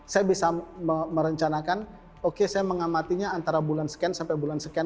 saya bisa merencanakan oke saya mengamatinya antara bulan scan sampai bulan sekian